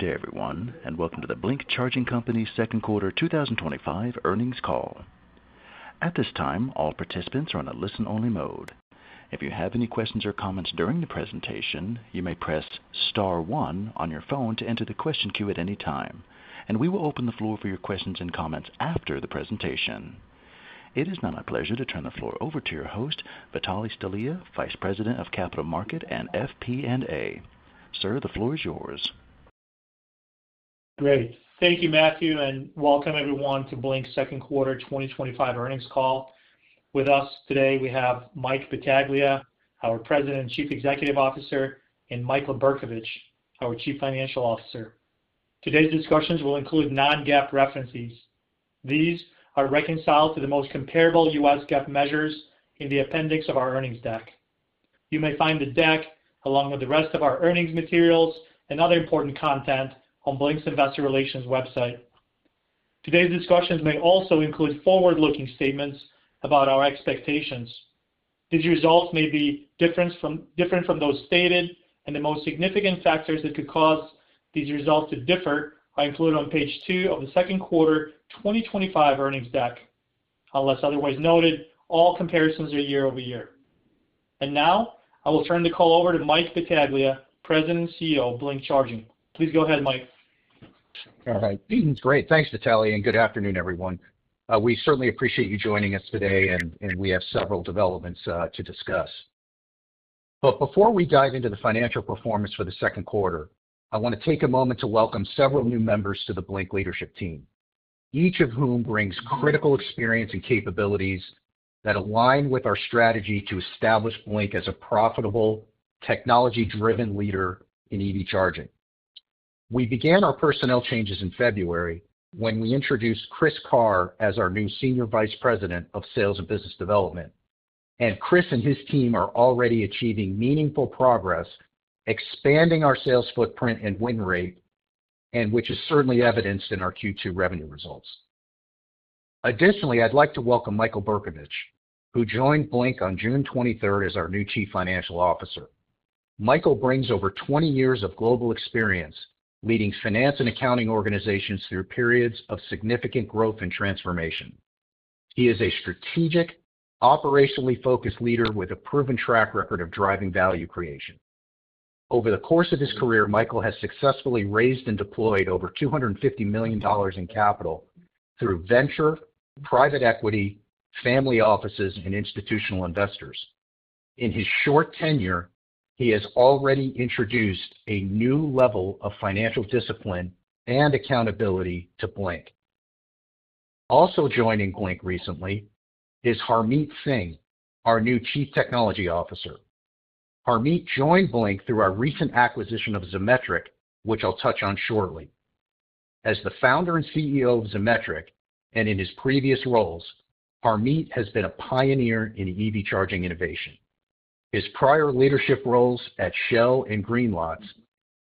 Good day, everyone, and welcome to the Blink Charging Co.'s Second Quarter 2025 Earnings Call. At this time, all participants are in a listen-only mode. If you have any questions or comments during the presentation, you may press Star, one on your phone to enter the question queue at any time, and we will open the floor for your questions and comments after the presentation. It is now my pleasure to turn the floor over to your host, Vitale Stelea, Vice President of Capital Markets and FP&A. Sir, the floor is yours. Great. Thank you, Matthew, and welcome everyone to Blink's Second Quarter 2025 Earnings Call. With us today, we have Mike Battaglia, our President and Chief Executive Officer, and Michael Bercovich, our Chief Financial Officer. Today's discussions will include non-GAAP references. These are reconciled to the most comparable U.S. GAAP measures in the appendix of our earnings deck. You may find the deck, along with the rest of our earnings materials and other important content, on Blink's Investor Relations website. Today's discussions may also include forward-looking statements about our expectations. These results may be different from those stated, and the most significant factors that could cause these results to differ are included on page two of the second quarter 2025 earnings deck. Unless otherwise noted, all comparisons are year over year. I will turn the call over to Mike Battaglia, President and CEO of Blink Charging. Please go ahead, Mike. All right. Great. Thanks, Vitale, and good afternoon, everyone. We certainly appreciate you joining us today, and we have several developments to discuss. Before we dive into the financial performance for the second quarter, I want to take a moment to welcome several new members to the Blink leadership team, each of whom brings critical experience and capabilities that align with our strategy to establish Blink as a profitable, technology-driven leader in EV charging. We began our personnel changes in February when we introduced Chris Carr as our new Senior Vice President of Sales and Business Development, and Chris and his team are already achieving meaningful progress, expanding our sales footprint and win rate, which is certainly evidenced in our Q2 revenue results. Additionally, I'd like to welcome Michael Bercovich, who joined Blink on June 23rd as our new Chief Financial Officer. Michael brings over 20 years of global experience, leading finance and accounting organizations through periods of significant growth and transformation. He is a strategic, operationally focused leader with a proven track record of driving value creation. Over the course of his career, Michael has successfully raised and deployed over $250 million in capital through venture, private equity, family offices, and institutional investors. In his short tenure, he has already introduced a new level of financial discipline and accountability to Blink. Also joining Blink recently is Harmeet Singh, our new Chief Technology Officer. Harmeet joined Blink through our recent acquisition of Zimetric, which I'll touch on shortly. As the Founder and CEO of Zimetric, and in his previous roles, Harmeet has been a pioneer in EV charging innovation. His prior leadership roles at Shell and Greenlots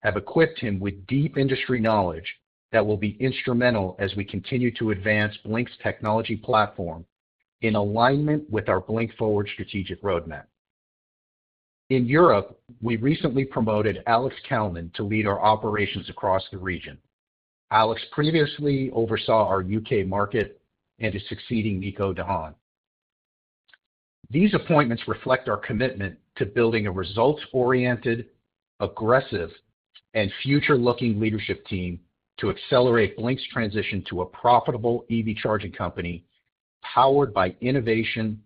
have equipped him with deep industry knowledge that will be instrumental as we continue to advance Blink's technology platform in alignment with our BlinkForward strategic roadmap. In Europe, we recently promoted Alex Kalman to lead our operations across the region. Alex previously oversaw our U.K., market and is succeeding Nico Dahan. These appointments reflect our commitment to building a results-oriented, aggressive, and future-looking leadership team to accelerate Blink's transition to a profitable EV charging company powered by innovation,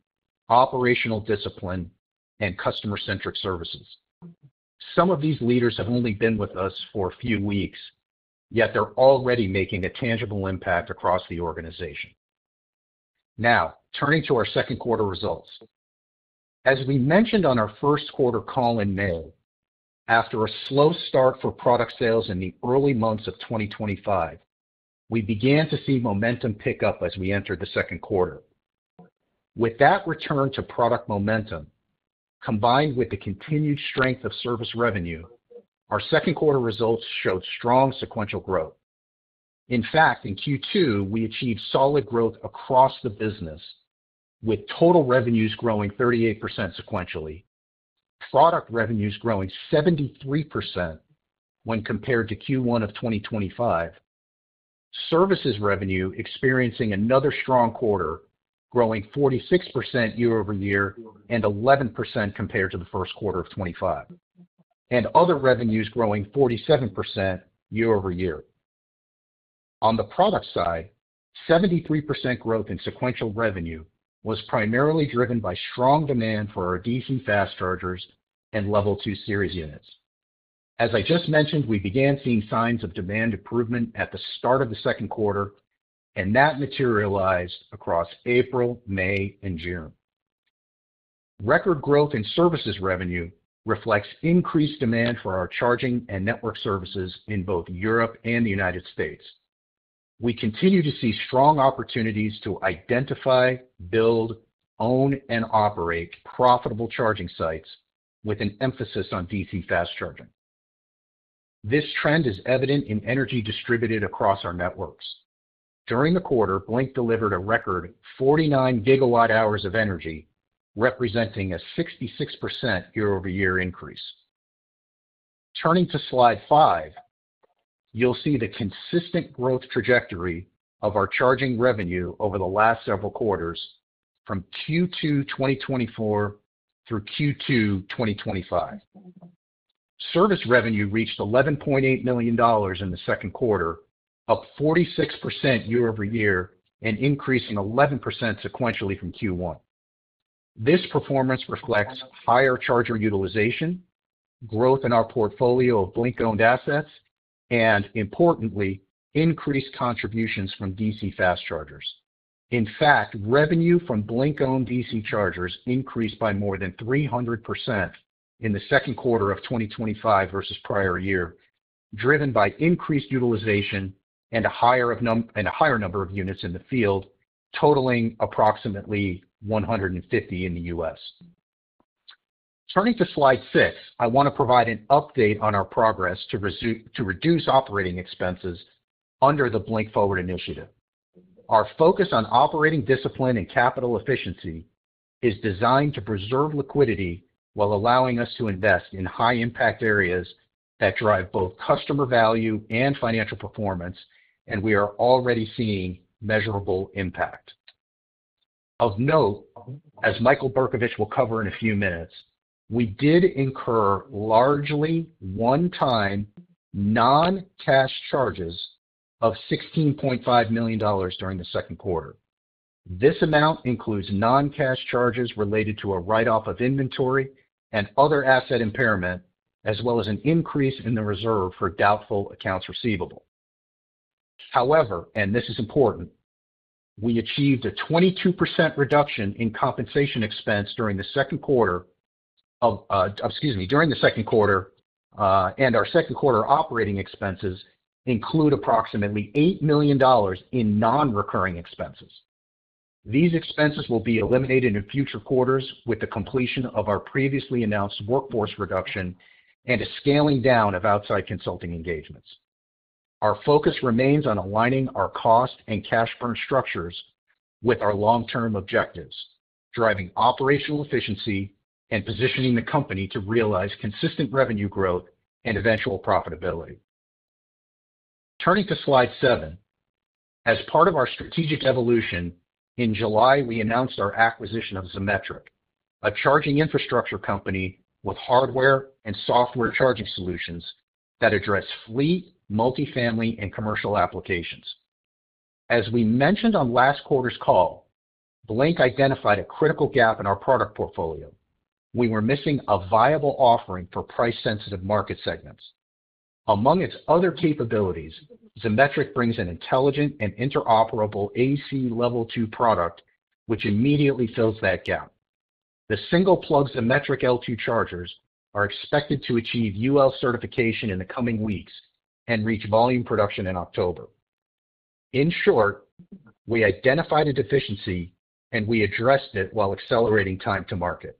operational discipline, and customer-centric services. Some of these leaders have only been with us for a few weeks, yet they're already making a tangible impact across the organization. Now, turning to our second quarter results. As we mentioned on our first quarter call in May, after a slow start for product sales in the early months of 2025, we began to see momentum pick up as we entered the second quarter. With that return to product momentum, combined with the continued strength of service revenue, our second quarter results showed strong sequential growth. In fact, in Q2, we achieved solid growth across the business, with total revenues growing 38% sequentially, product revenues growing 73% when compared to Q1 of 2025, service revenue experiencing another strong quarter, growing 46% year-over-year and 11% compared to the first quarter of 2025, and other revenues growing 47% year-over-year. On the product side, 73% growth in sequential revenue was primarily driven by strong demand for our DC fast chargers and Level 2 Series units. As I just mentioned, we began seeing signs of demand improvement at the start of the second quarter, and that materialized across April, May, and June. Record growth in service revenue reflects increased demand for our charging and network services in both Europe and the United States. We continue to see strong opportunities to identify, build, own, and operate profitable charging sites with an emphasis on DC fast charging. This trend is evident in energy distributed across our networks. During the quarter, Blink delivered a record 49 GWh of energy, representing a 66% year-over-year increase. Turning to slide five, you'll see the consistent growth trajectory of our charging revenue over the last several quarters from Q2 2024 through Q2 2025. Service revenue reached $11.8 million in the second quarter, up 46% year-over-year, and increasing 11% sequentially from Q1. This performance reflects higher charger utilization, growth in our portfolio of Blink-owned assets, and importantly, increased contributions from DC fast chargers. In fact, revenue from Blink-owned DC chargers increased by more than 300% in the second quarter of 2025 versus prior year, driven by increased utilization and a higher number of units in the field, totaling approximately 150 in the U.S. Turning to slide six, I want to provide an update on our progress to reduce operating expenses under the BlinkForward initiative. Our focus on operating discipline and capital efficiency is designed to preserve liquidity while allowing us to invest in high-impact areas that drive both customer value and financial performance, and we are already seeing measurable impact. Of note, as Michael Bercovich will cover in a few minutes, we did incur largely one-time non-cash charges of $16.5 million during the second quarter. This amount includes non-cash charges related to a write-off of inventory and other asset impairments, as well as an increase in the reserve for doubtful accounts receivable. However, and this is important, we achieved a 22% reduction in compensation expense during the second quarter, and our second quarter operating expenses include approximately $8 million in non-recurring expenses. These expenses will be eliminated in future quarters with the completion of our previously announced workforce reduction and a scaling down of outside consulting engagements. Our focus remains on aligning our cost and cash burn structures with our long-term objectives, driving operational efficiency and positioning the company to realize consistent revenue growth and eventual profitability. Turning to slide seven, as part of our strategic evolution, in July, we announced our acquisition of Zimetric, a charging infrastructure company with hardware and software charging solutions that address fleet, multifamily, and commercial applications. As we mentioned on last quarter's call, Blink identified a critical gap in our product portfolio. We were missing a viable offering for price-sensitive market segments. Among its other capabilities, Zimetric brings an intelligent and interoperable AC Level 2 product, which immediately fills that gap. The single-plug Zimetric L2 chargers are expected to achieve UL certification in the coming weeks and reach volume production in October. In short, we identified a deficiency, and we addressed it while accelerating time to market.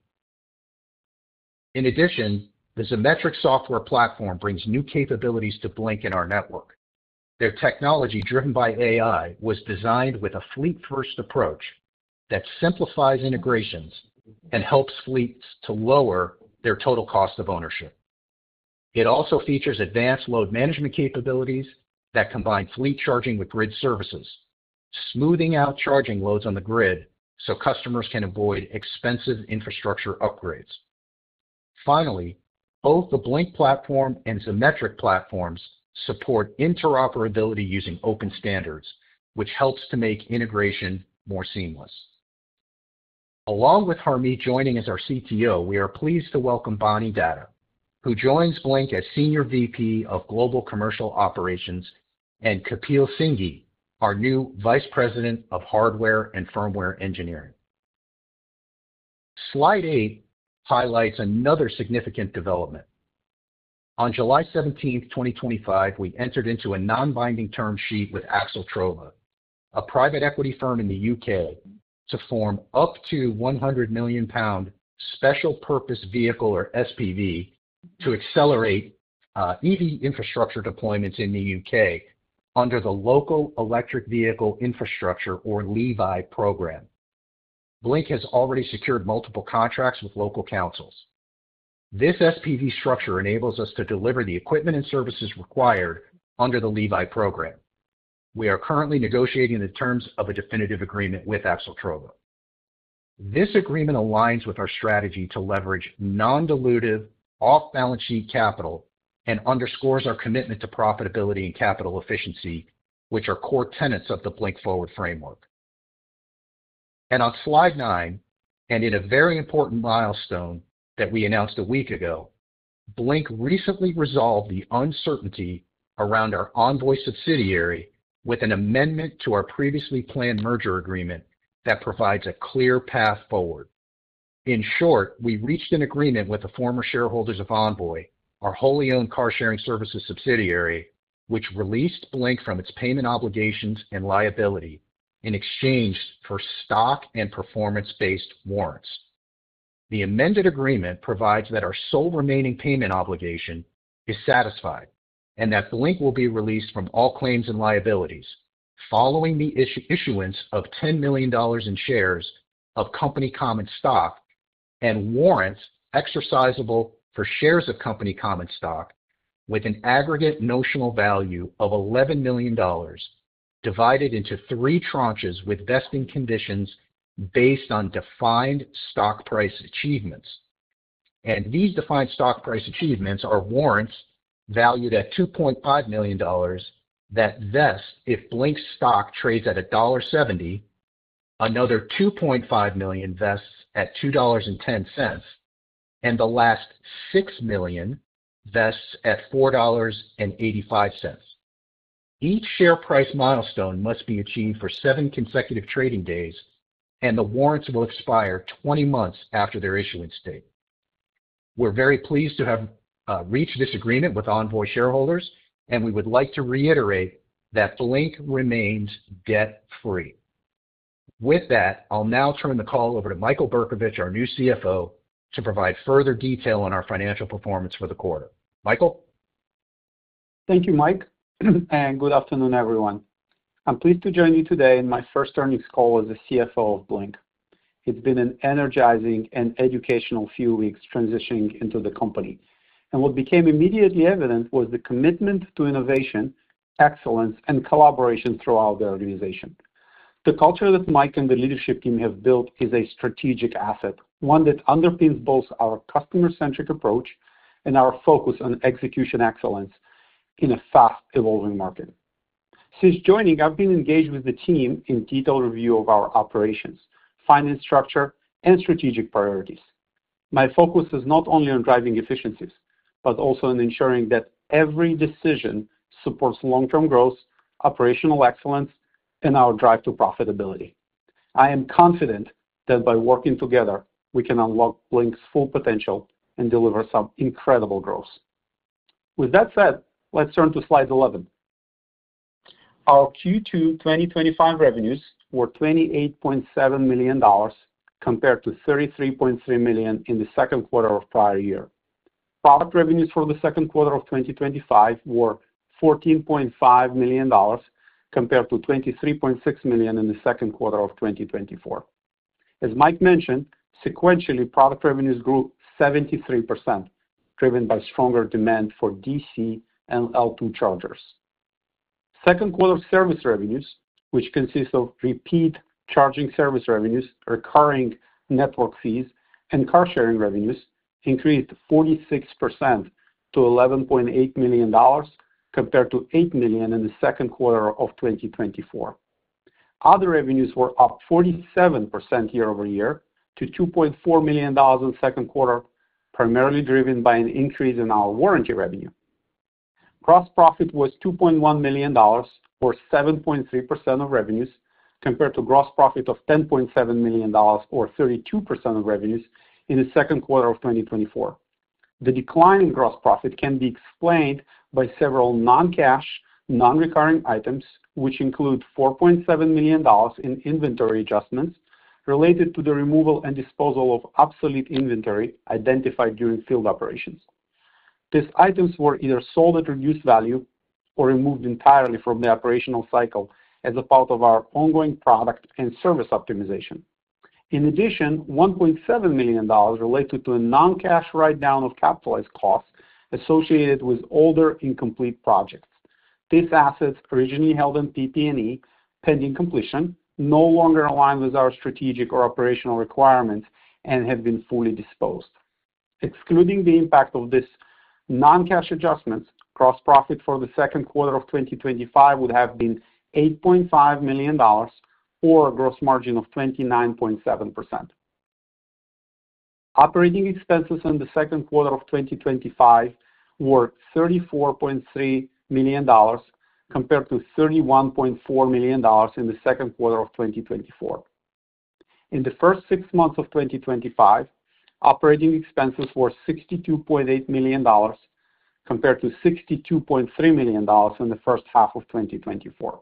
In addition, the Zimetric software platform brings new capabilities to Blink in our network. Their technology, driven by AI, was designed with a fleet-first approach that simplifies integrations and helps fleets to lower their total cost of ownership. It also features advanced load management capabilities that combine fleet charging with grid services, smoothing out charging loads on the grid so customers can avoid expensive infrastructure upgrades. Finally, both the Blink platform and Zimetric platforms support interoperability using open standards, which helps to make integration more seamless. Along with Harmeet joining as our CTO, we are pleased to welcome Bani Datta, who joins Blink as Senior VP of Global Commercial Operations, and Kapil Singhi, our new Vice President of Hardware and Firmware Engineering. Slide eight highlights another significant development. On July 17th, 2025, we entered into a non-binding term sheet with Axxeltrova, a private equity firm in the U.K., to form up to £100 million special purpose vehicle, or SPV, to accelerate EV infrastructure deployments in the U.K., under the Local Electric Vehicle Infrastructure, or LEVI program. Blink has already secured multiple contracts with local councils. This SPV structure enables us to deliver the equipment and services required under the LEVI program. We are currently negotiating the terms of a definitive agreement with Axxeltrova. This agreement aligns with our strategy to leverage non-dilutive off-balance sheet capital and underscores our commitment to profitability and capital efficiency, which are core tenets of the BlinkForward framework On slide nine, in a very important milestone that we announced a week ago, Blink recently resolved the uncertainty around our Envoy subsidiary with an amendment to our previously planned merger agreement that provides a clear path forward. In short, we reached an agreement with the former shareholders of Envoy, our wholly owned car sharing services subsidiary, which released Blink from its payment obligations and liability in exchange for stock and performance-based warrants. The amended agreement provides that our sole remaining payment obligation is satisfied and that Blink will be released from all claims and liabilities following the issuance of $10 million in shares of company common stock and warrants exercisable for shares of company common stock with an aggregate notional value of $11 million divided into three tranches with vesting conditions based on defined stock price achievements. These defined stock price achievements are warrants valued at $2.5 million that vest if Blink's stock trades at $1.70, another $2.5 million vests at $2.10, and the last $6 million vests at $4.85. Each share price milestone must be achieved for seven consecutive trading days, and the warrants will expire 20 months after their issuance date. We're very pleased to have reached this agreement with Envoy shareholders, and we would like to reiterate that Blink remains debt-free. With that, I'll now turn the call over to Michael Bercovich, our new CFO, to provide further detail on our financial performance for the quarter. Michael? Thank you, Mike, and good afternoon, everyone. I'm pleased to join you today in my first earnings call as the CFO of Blink. It's been an energizing and educational few weeks transitioning into the company. What became immediately evident was the commitment to innovation, excellence, and collaboration throughout the organization. The culture that Mike and the leadership team have built is a strategic asset, one that underpins both our customer-centric approach and our focus on execution excellence in a fast-evolving market. Since joining, I've been engaged with the team in detailed review of our operations, finance structure, and strategic priorities. My focus is not only on driving efficiencies, but also on ensuring that every decision supports long-term growth, operational excellence, and our drive to profitability. I am confident that by working together, we can unlock Blink's full potential and deliver some incredible growth. With that said, let's turn to slide 11. Our Q2 2025 revenues were $28.7 million compared to $33.3 million in the second quarter of the prior year. Product revenues for the second quarter of 2025 were $14.5 million compared to $23.6 million in the second quarter of 2024. As Mike mentioned, sequentially, product revenues grew 73%, driven by stronger demand for DC and L2 chargers. Second quarter service revenues, which consist of repeat charging service revenues, recurring network fees, and car sharing revenues, increased 46% to $11.8 million compared to $8 million in the second quarter of 2024. Other revenues were up 47% year-over-year to $2.4 million in the second quarter, primarily driven by an increase in our warranty revenue. Gross profit was $2.1 million or 7.3% of revenues compared to a gross profit of $10.7 million or 32% of revenues in the second quarter of 2024. The decline in gross profit can be explained by several non-cash, non-recurring items, which include $4.7 million in inventory adjustments related to the removal and disposal of obsolete inventory identified during field operations. These items were either sold at reduced value or removed entirely from the operational cycle as a part of our ongoing product and service optimization. In addition, $1.7 million related to a non-cash write-down of capitalized costs associated with older incomplete projects. These assets, originally held in PP&E pending completion, no longer align with our strategic or operational requirements and have been fully disposed. Excluding the impact of these non-cash adjustments, gross profit for the second quarter of 2025 would have been $8.5 million or a gross margin of 29.7%. Operating expenses in the second quarter of 2025 were $34.3 million compared to $31.4 million in the second quarter of 2024. In the first six months of 2025, operating expenses were $62.8 million compared to $62.3 million in the first half of 2024.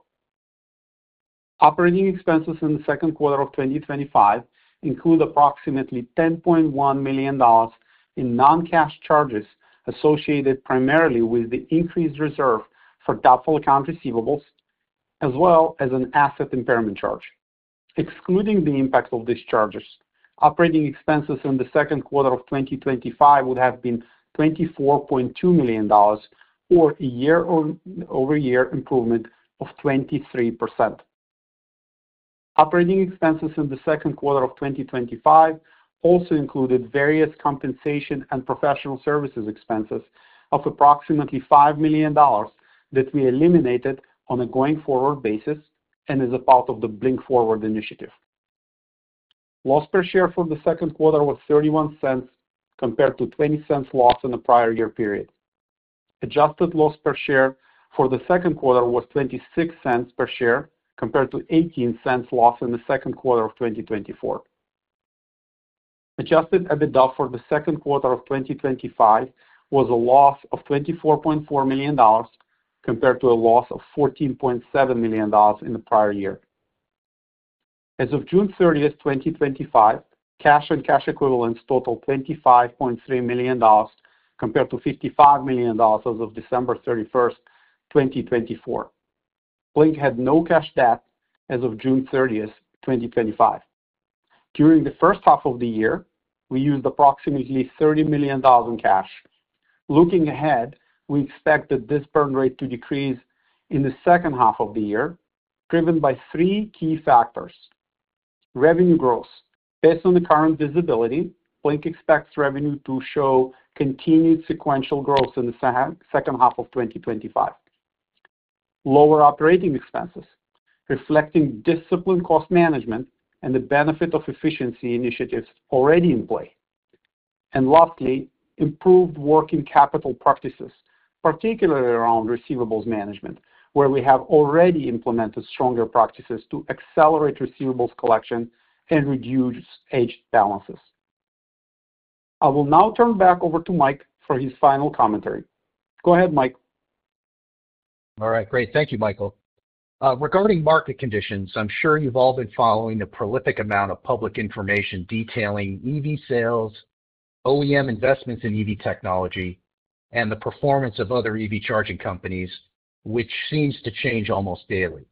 Operating expenses in the second quarter of 2025 include approximately $10.1 million in non-cash charges associated primarily with the increased reserve for doubtful account receivables, as well as an asset impairment charge. Excluding the impact of these charges, operating expenses in the second quarter of 2025 would have been $24.2 million or a year-over-year improvement of 23%. Operating expenses in the second quarter of 2025 also included various compensation and professional services expenses of approximately $5 million that we eliminated on a going-forward basis and as a part of the BlinkForward initiative. Loss per share for the second quarter was $0.31 compared to $0.20 loss in the prior year period. Adjusted loss per share for the second quarter was $0.26 per share compared to $0.18 loss in the second quarter of 2024. Adjusted EBITDA for the second quarter of 2025 was a loss of $24.4 million compared to a loss of $14.7 million in the prior year. As of June 30th, 2025, cash and cash equivalents totaled $25.3 million compared to $55 million as of December 31st, 2024. Blink had no cash debt as of June 30th, 2025. During the first half of the year, we used approximately $30 million in cash. Looking ahead, we expect that this burn rate to decrease in the second half of the year, driven by three key factors. Revenue growth. Based on the current visibility, Blink expects revenue to show continued sequential growth in the second half of 2025. Lower operating expenses, reflecting disciplined cost management and the benefit of efficiency initiatives already in play. Lastly, improved working capital practices, particularly around receivables management, where we have already implemented stronger practices to accelerate receivables collection and reduce aged balances. I will now turn back over to Mike for his final commentary. Go ahead, Mike. All right, Great. Thank you, Michael. Regarding market conditions, I'm sure you've all been following the prolific amount of public information detailing EV sales, OEM investments in EV technology, and the performance of other EV charging companies, which seems to change almost daily.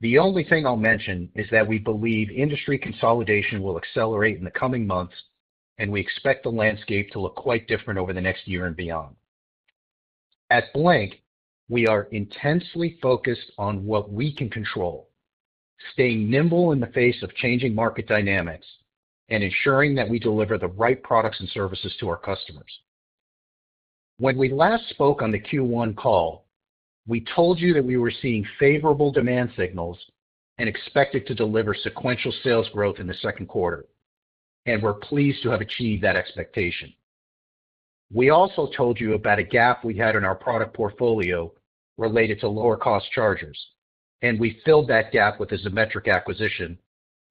The only thing I'll mention is that we believe industry consolidation will accelerate in the coming months, and we expect the landscape to look quite different over the next year and beyond. At Blink, we are intensely focused on what we can control, staying nimble in the face of changing market dynamics and ensuring that we deliver the right products and services to our customers. When we last spoke on the Q1 call, we told you that we were seeing favorable demand signals and expected to deliver sequential sales growth in the second quarter, and we're pleased to have achieved that expectation. We also told you about a gap we had in our product portfolio related to lower cost chargers, and we filled that gap with a Zimetric acquisition,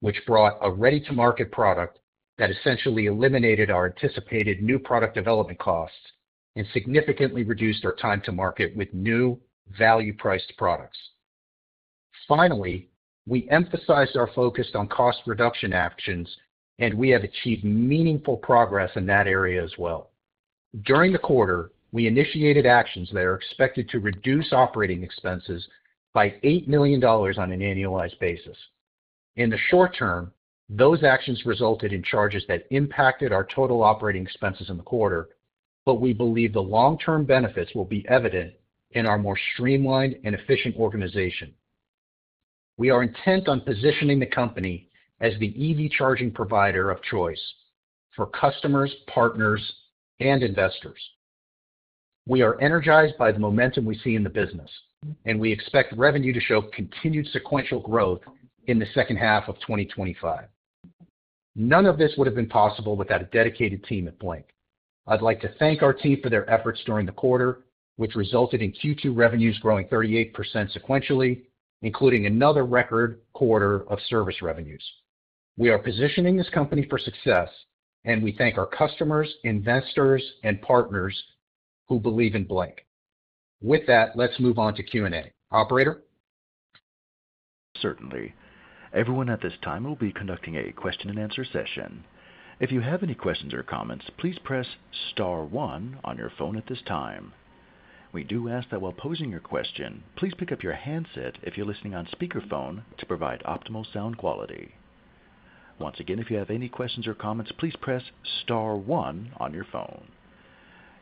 which brought a ready-to-market product that essentially eliminated our anticipated new product development costs and significantly reduced our time to market with new value-priced products. Finally, we emphasized our focus on cost reduction actions, and we have achieved meaningful progress in that area as well. During the quarter, we initiated actions that are expected to reduce operating expenses by $8 million on an annualized basis. In the short term, those actions resulted in charges that impacted our total operating expenses in the quarter, but we believe the long-term benefits will be evident in our more streamlined and efficient organization. We are intent on positioning the company as the EV charging provider of choice for customers, partners, and investors. We are energized by the momentum we see in the business, and we expect revenue to show continued sequential growth in the second half of 2025. None of this would have been possible without a dedicated team at Blink. I'd like to thank our team for their efforts during the quarter, which resulted in Q2 revenues growing 38% sequentially, including another record quarter of service revenues. We are positioning this company for success, and we thank our customers, investors, and partners who believe in Blink. With that, let's move on to Q&A. Operator? Certainly. Everyone, at this time we will be conducting a question-and-answer session. If you have any questions or comments, please press Star, one on your phone at this time. We do ask that while posing your question, please pick up your handset if you're listening on speakerphone to provide optimal sound quality. Once again, if you have any questions or comments, please press Star, one on your phone.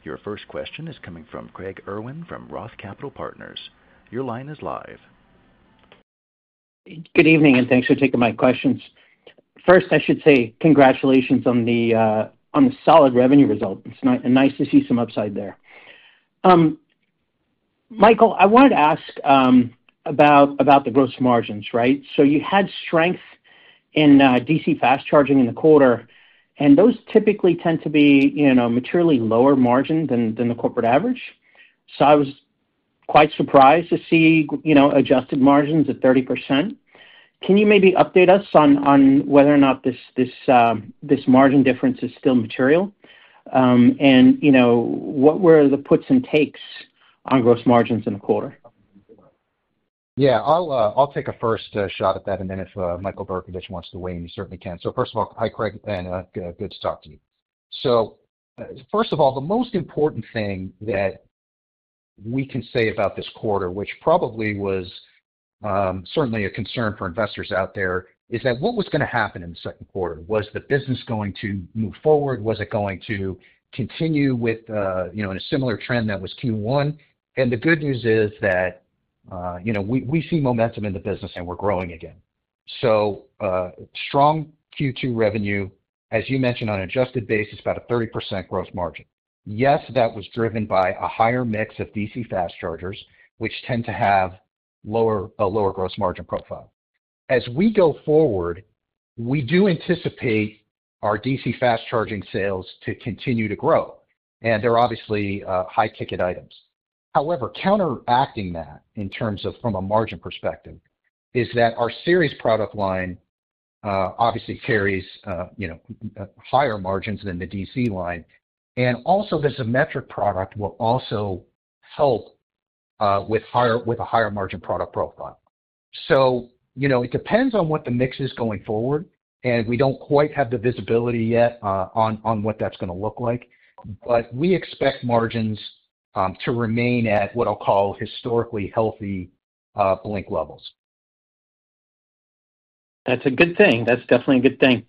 Your first question is coming from Craig Irwin from ROTH Capital Partners. Your line is live. Good evening, and thanks for taking my questions. First, I should say congratulations on the solid revenue result. It's nice to see some upside there. Michael, I wanted to ask about the gross margins, right? You had strength in DC fast charging in the quarter, and those typically tend to be a materially lower margin than the corporate average. I was quite surprised to see adjusted margins at 30%. Can you maybe update us on whether or not this margin difference is still material? What were the puts and takes on gross margins in the quarter? Yeah, I'll take a first shot at that. If Michael Bercovich wants to weigh in, he certainly can. First of all, hi, Craig, and good to talk to you. The most important thing that we can say about this quarter, which probably was certainly a concern for investors out there, is that what was going to happen in the second quarter? Was the business going to move forward? Was it going to continue with a similar trend that was Q1? The good news is that we see momentum in the business and we're growing again. Strong Q2 revenue, as you mentioned, on an adjusted basis, about a 30% gross margin. Yes, that was driven by a higher mix of DC fast chargers, which tend to have a lower gross margin profile. As we go forward, we do anticipate our DC fast charging sales to continue to grow, and they're obviously high-ticket items. However, counteracting that in terms of from a margin perspective is that our series product line obviously carries higher margins than the DC line, and also the Zimetric product will also help with a higher margin product profile. It depends on what the mix is going forward, and we don't quite have the visibility yet on what that's going to look like, but we expect margins to remain at what I'll call historically healthy Blink levels. That's a good thing. That's definitely a good thing.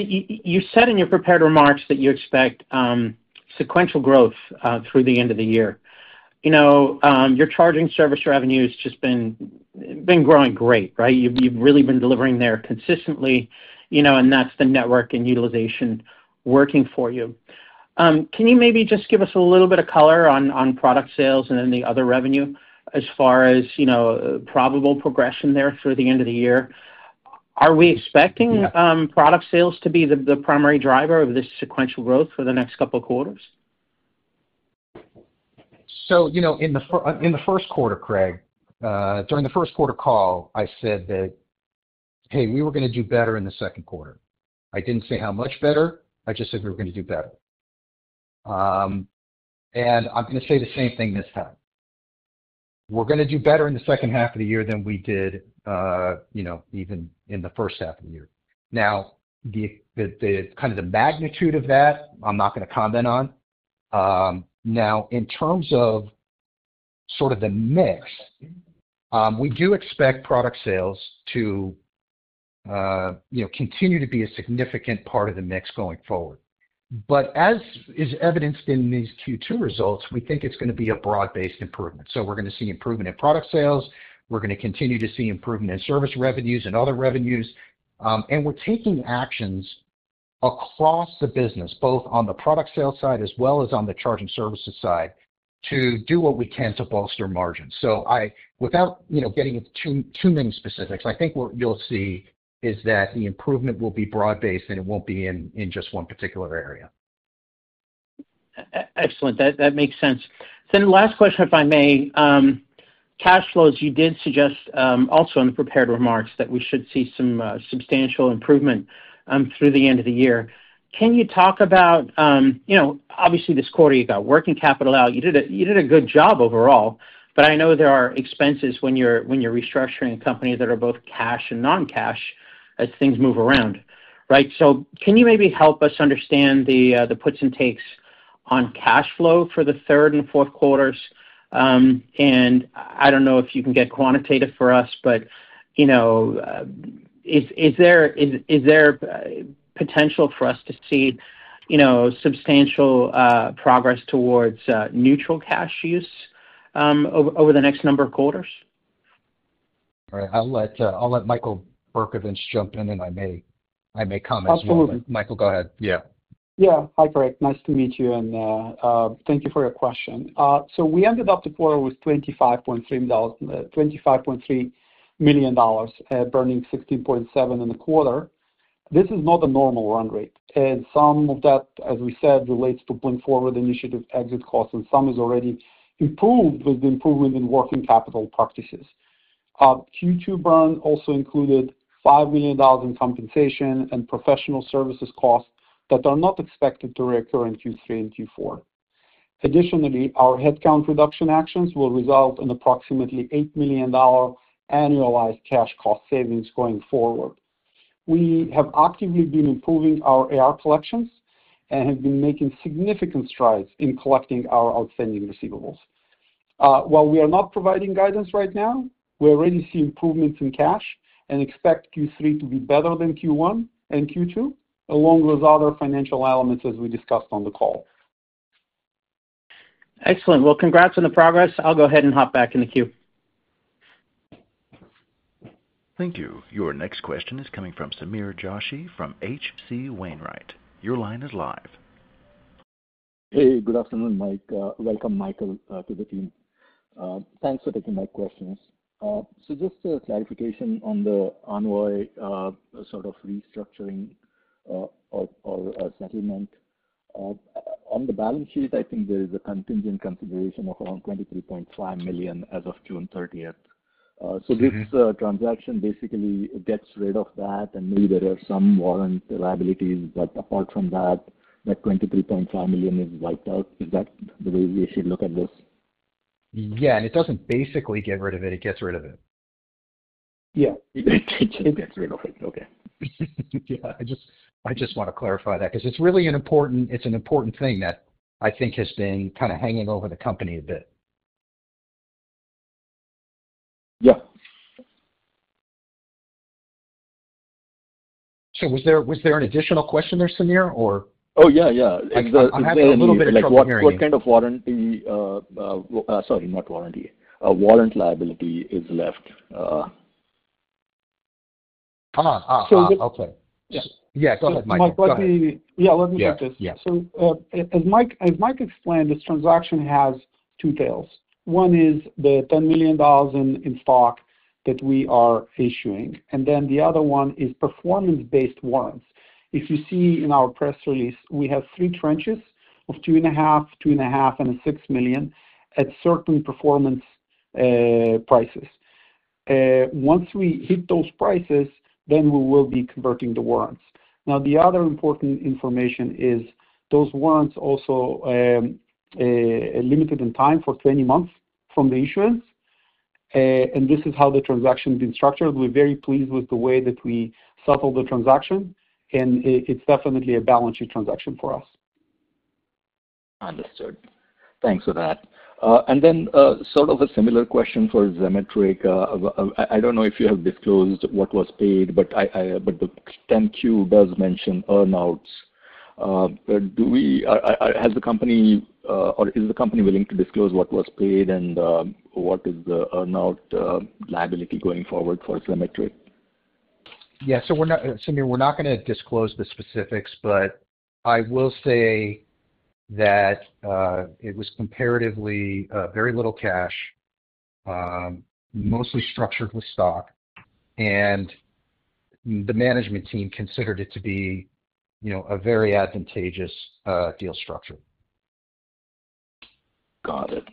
You said in your prepared remarks that you expect sequential growth through the end of the year. Your charging service revenue has just been growing great, right? You've really been delivering there consistently, and that's the network and utilization working for you. Can you maybe just give us a little bit of color on product sales and then the other revenue as far as probable progression there through the end of the year? Are we expecting product sales to be the primary driver of this sequential growth for the next couple of quarters? In the first quarter, Craig, during the first quarter call, I said that, hey, we were going to do better in the second quarter. I didn't say how much better. I just said we were going to do better. I'm going to say the same thing this time. We're going to do better in the second half of the year than we did, you know, even in the first half of the year. Now, the kind of the magnitude of that, I'm not going to comment on. In terms of sort of the mix, we do expect product sales to continue to be a significant part of the mix going forward. As is evidenced in these Q2 results, we think it's going to be a broad-based improvement. We're going to see improvement in product sales. We're going to continue to see improvement in service revenues and other revenues. We're taking actions across the business, both on the product sales side as well as on the charging services side, to do what we can to bolster margins. Without getting into too many specifics, I think what you'll see is that the improvement will be broad-based and it won't be in just one particular area. Excellent. That makes sense. Last question, if I may, cash flows, you did suggest also in the prepared remarks that we should see some substantial improvement through the end of the year. Can you talk about, you know, obviously this quarter you got working capital out. You did a good job overall, but I know there are expenses when you're restructuring a company that are both cash and non-cash as things move around, right? Can you maybe help us understand the puts and takes on cash flow for the third and fourth quarters? I don't know if you can get quantitative for us, but you know, is there potential for us to see, you know, substantial progress towards neutral cash use over the next number of quarters? All right. I'll let Michael Bercovich jump in, and I may comment. Absolutely. Michael, go ahead. Yeah. Yeah. Hi, Craig. Nice to meet you, and thank you for your question. We ended up the quarter with $25.3 million, burning $16.7 million in the quarter. This is not a normal run rate. Some of that, as we said, relates to BlinkForward initiative exit costs, and some is already improved with the improvement in working capital practices. Q2 burn also included $5 million in compensation and professional services costs that are not expected to reoccur in Q3 and Q4. Additionally, our headcount reduction actions will result in approximately $8 million annualized cash cost savings going forward. We have actively been improving our AR collections and have been making significant strides in collecting our outstanding receivables. While we are not providing guidance right now, we already see improvements in cash and expect Q3 to be better than Q1 and Q2, along with other financial elements as we discussed on the call. Excellent. Congratulations on the progress. I'll go ahead and hop back in the queue. Thank you. Your next question is coming from Samir Joshi from H.C. Wainwright. Your line is live. Hey, good afternoon, Mike. Welcome, Michael, to the team. Thanks for taking my questions. Just a clarification on the Envoy sort of restructuring or settlement. On the balance sheet, I think there is a contingent configuration of around $23.5 million as of June 30th, 2023. This transaction basically gets rid of that, and maybe there are some warrant liabilities, but apart from that, that $23.5 million is wiped out. Is that the way we should look at this? Yeah, it doesn't basically get rid of it. It gets rid of it. Yeah, it gets rid of it. Okay. I just want to clarify that because it's really an important, it's an important thing that I think has been kind of hanging over the company a bit. Yeah. Was there an additional question there, Samir? Yeah, yeah. I'm having a little bit of disappointment. What kind of warrant? Sorry, not warrant. A warrant liability is left. Hold on. Okay. Yeah, go ahead, Mike. Yeah, let me take this. Yeah. As Mike explained, this transaction has two tails. One is the $10 million in stock that we are issuing, and the other one is performance-based warrants. If you see in our press release, we have three tranches of $2.5 million, $2.5 million, and $6 million at certain performance prices. Once we hit those prices, we will be converting the warrants. The other important information is those warrants also are limited in time for 20 months from the issuance. This is how the transaction has been structured. We're very pleased with the way that we settled the transaction, and it's definitely a balance sheet transaction for us. Understood. Thanks for that. A similar question for Zimetric. I don't know if you have disclosed what was paid, but the 10-Q does mention earnouts. Has the company or is the company willing to disclose what was paid and what is the earnout liability going forward for Zimetric? Yeah, Samir, we're not going to disclose the specifics, but I will say that it was comparatively very little cash, mostly structured with stock, and the management team considered it to be, you know, a very advantageous deal structure. Got it.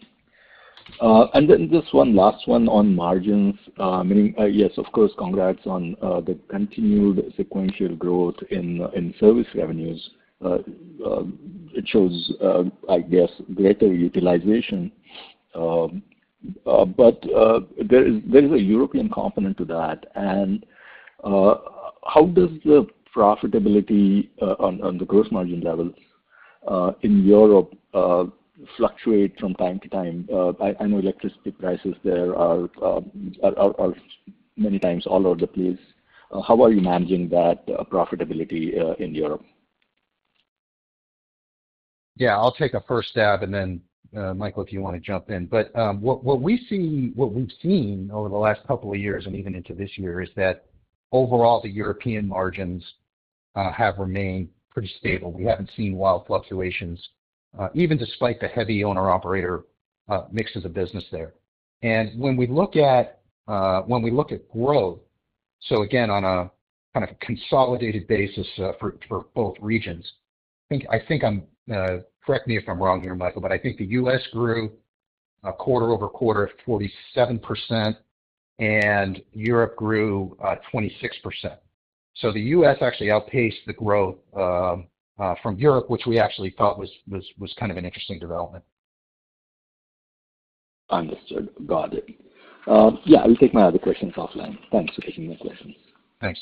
This one, last one on margins. I mean, yes, of course, congrats on the continued sequential growth in service revenues. It shows, I guess, greater utilization. There is a European component to that. How does the profitability on the gross margin level in Europe fluctuate from time to time? I know electricity prices there are many times all over the place. How are you managing that profitability in Europe? I'll take a first stab, and then, Michael, if you want to jump in. What we see, what we've seen over the last couple of years and even into this year is that overall, the European margins have remained pretty stable. We haven't seen wild fluctuations, even despite the heavy owner-operator mixes of business there. When we look at growth, on a kind of consolidated basis for both regions, I think—correct me if I'm wrong here, Michael—but I think the U.S., grew quarter-over-quarter at 47%, and Europe grew 26%. The U.S., actually outpaced the growth from Europe, which we actually thought was kind of an interesting development. Understood. Got it. I'll take my other questions offline. Thanks for taking the questions. Thanks.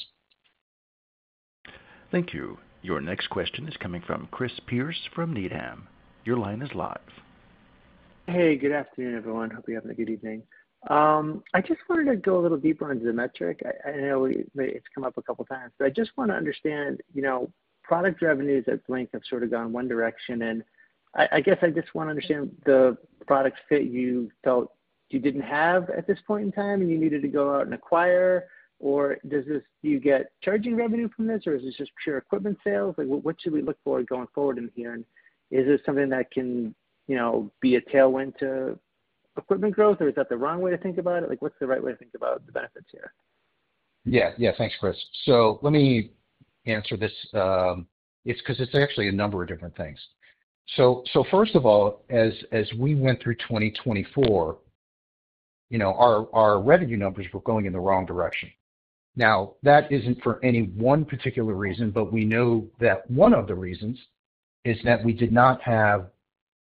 Thank you. Your next question is coming from Chris Pierce from Needham. Your line is live. Hey, good afternoon, everyone. Hope you're having a good evening. I just wanted to go a little deeper on Zimetric. I know it's come up a couple of times, but I just want to understand, you know, product revenues at Blink have sort of gone one direction, and I guess I just want to understand the products that you felt you didn't have at this point in time and you needed to go out and acquire, or do you get charging revenue from this, or is this just pure equipment sales? What should we look forward going forward in here? Is this something that can, you know, be a tailwind to equipment growth, or is that the wrong way to think about it? What's the right way to think about the benefits here? Yeah, thanks, Chris. Let me answer this. It's actually a number of different things. First of all, as we went through 2024, our revenue numbers were going in the wrong direction. That isn't for any one particular reason, but we know that one of the reasons is that we did not have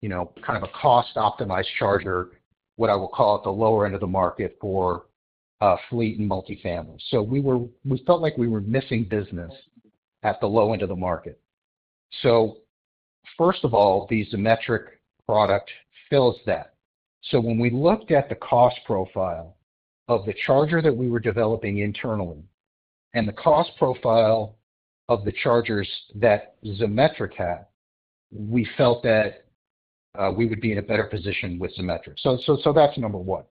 a cost-optimized charger, what I will call at the lower end of the market for fleet and multifamily. We felt like we were missing business at the low end of the market. The Zimetric product fills that. When we looked at the cost profile of the charger that we were developing internally and the cost profile of the chargers that Zimetric had, we felt that we would be in a better position with Zimetric. That's number one.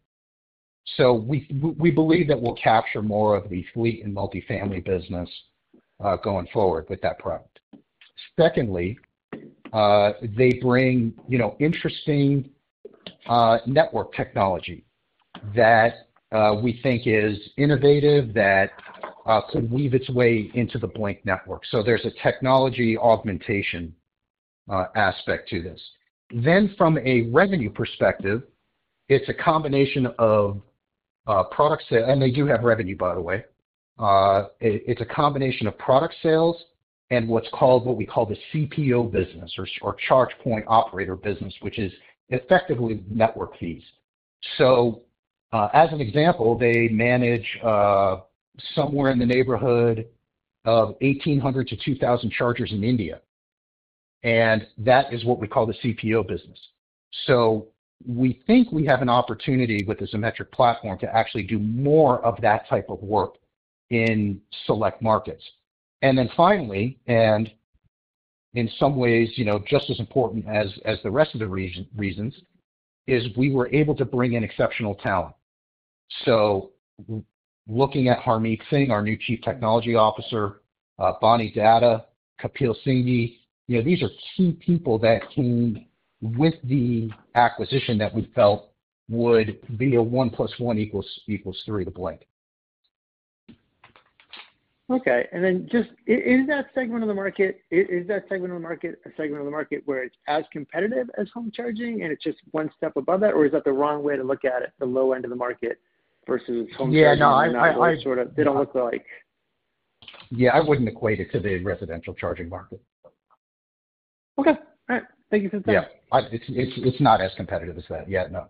We believe that we'll capture more of the fleet and multifamily business going forward with that product. Secondly, they bring interesting network technology that we think is innovative that could weave its way into the Blink Network. There's a technology augmentation aspect to this. From a revenue perspective, it's a combination of product sales, and they do have revenue, by the way. It's a combination of product sales and what's called what we call the CPO business or charge point operator business, which is effectively network fees. As an example, they manage somewhere in the neighborhood of 1,800-2,000 chargers in India. That is what we call the CPO business. We think we have an opportunity with the Zimetric platform to actually do more of that type of work in select markets. Finally, and in some ways just as important as the rest of the reasons, we were able to bring in exceptional talent. Looking at Harmeet Singh, our new Chief Technology Officer, Bani Datta, Kapil Singhi, these are key people that came with the acquisition that we felt would be a one plus one equals three to Blink. Okay. Is that segment of the market a segment of the market where it's as competitive as home charging, and it's just one step above that, or is that the wrong way to look at it, the low end of the market versus home charging? Yeah, no, I wouldn't. They don't look like. Yeah, I wouldn't equate it to the residential charging market. Okay. All right. Thank you for the time. Yeah, it's not as competitive as that. Yeah, no.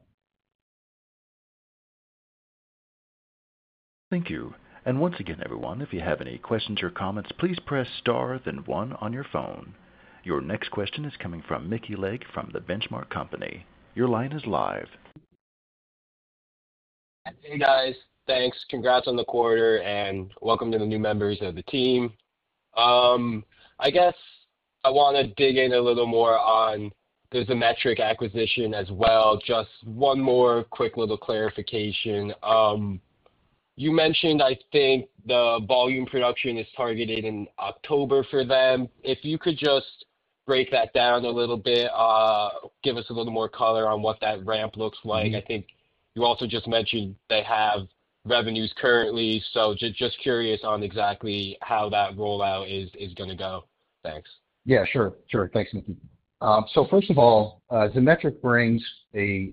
Thank you. Once again, everyone, if you have any questions or comments, please press star then one on your phone. Your next question is coming from Mickey Legg from The Benchmark Company. Your line is live. Hey guys, thanks. Congrats on the quarter and welcome to the new members of the team. I guess I want to dig in a little more on the Zimetric acquisition as well. Just one more quick little clarification. You mentioned, I think, the volume production is targeted in October for them. If you could just break that down a little bit, give us a little more color on what that ramp looks like. I think you also just mentioned they have revenues currently. Just curious on exactly how that rollout is going to go. Thanks. Yeah, sure. Thanks, Mickey. First of all, Zimetric brings a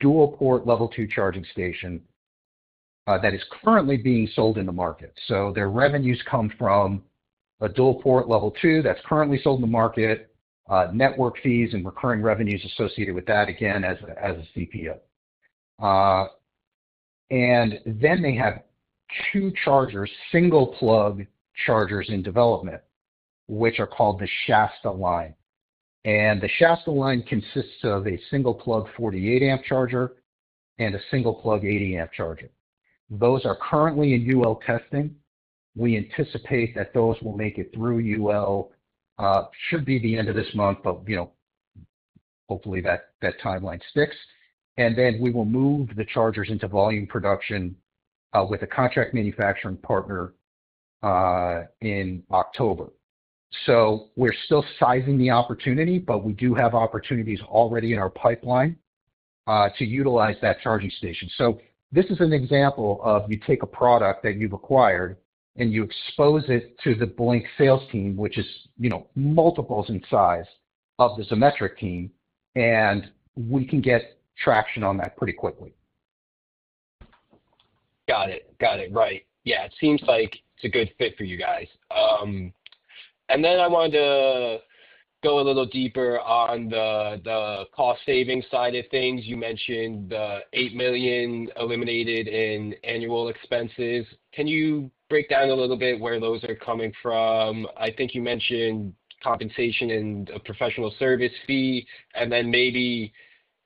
dual port Level 2 charging station that is currently being sold in the market. Their revenues come from a dual port Level 2 that's currently sold in the market, network fees, and recurring revenues associated with that, again, as a CPO. They have two chargers, single plug chargers in development, which are called the Shasta line. The Shasta line consists of a single plug 48 amp charger and a single plug 80 amp charger. Those are currently in UL testing. We anticipate that those will make it through UL, should be the end of this month, but hopefully that timeline sticks. We will move the chargers into volume production with a contract manufacturing partner in October. We're still sizing the opportunity, but we do have opportunities already in our pipeline to utilize that charging station. This is an example of you take a product that you've acquired and you expose it to the Blink sales team, which is multiples in size of the Zimetric team, and we can get traction on that pretty quickly. Got it. Right. Yeah, it seems like it's a good fit for you guys. I wanted to go a little deeper on the cost savings side of things. You mentioned the $8 million eliminated in annual expenses. Can you break down a little bit where those are coming from? I think you mentioned compensation and a professional service fee, and then maybe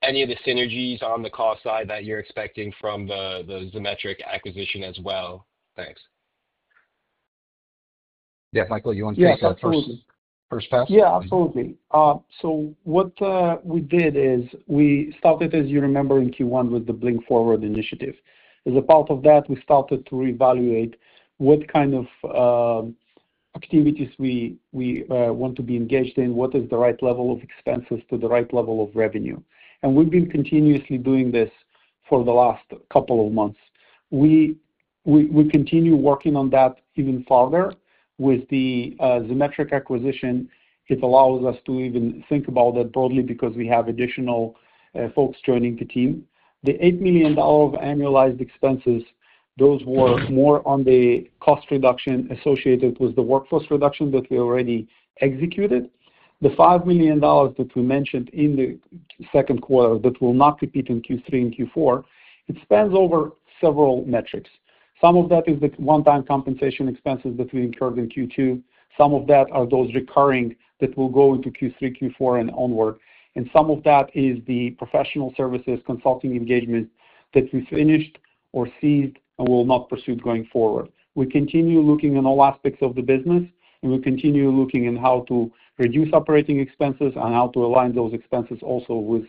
any of the synergies on the cost side that you're expecting from the Zimetric acquisition as well. Thanks. Yeah, Michael, you want to take that first pass? Yeah, absolutely. What we did is we started, as you remember, in Q1 with the BlinkForward initiative. As a part of that, we started to reevaluate what kind of activities we want to be engaged in, what is the right level of expenses to the right level of revenue. We've been continuously doing this for the last couple of months. We continue working on that even farther with the Zimetric acquisition. It allows us to even think about that broadly because we have additional folks joining the team. The $8 million of annualized expenses, those were more on the cost reduction associated with the workforce reduction that we already executed. The $5 million that we mentioned in the second quarter that will not repeat in Q3 and Q4 spans over several metrics. Some of that is the one-time compensation expenses that we incurred in Q2. Some of that are those recurring that will go into Q3, Q4, and onward. Some of that is the professional services consulting engagement that we finished or ceased and will not pursue going forward. We continue looking in all aspects of the business, and we continue looking at how to reduce operating expenses and how to align those expenses also with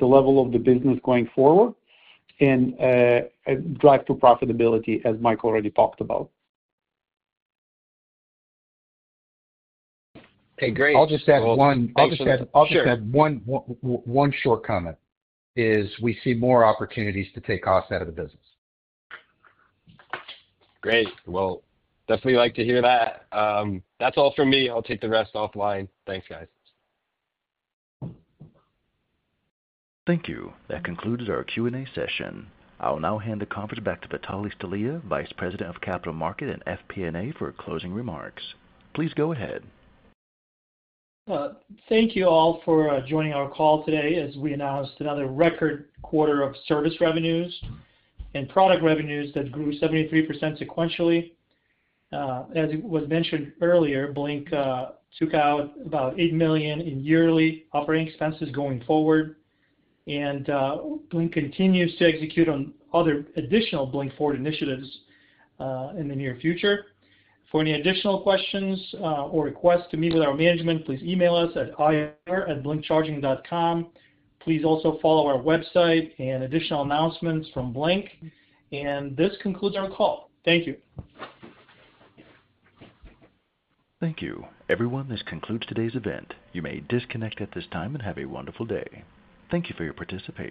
the level of the business going forward and drive to profitability, as Mike already talked about. Hey, great. I'll just add one. Go ahead. I'll just add one short comment, as we see more opportunities to take costs out of the business. Great. I definitely like to hear that. That's all from me. I'll take the rest offline. Thanks, guys. Thank you. That concluded our Q&A session. I will now hand the conference back to Vitale Stelea, Vice President of Capital Markets and FP&A, for closing remarks. Please go ahead. Thank you all for joining our call today. As we announced another record quarter of service revenues and product revenues that grew 73% sequentially. As it was mentioned earlier, Blink took out about $8 million in yearly operating expenses going forward, and Blink continues to execute on other additional BlinkForward initiatives in the near future. For any additional questions or requests to meet with our management, please email us at ir@blinkcharging.com. Please also follow our website and additional announcements from Blink. This concludes our call. Thank you. Thank you. Everyone, this concludes today's event. You may disconnect at this time and have a wonderful day. Thank you for your participation.